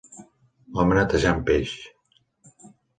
Home netejant peix.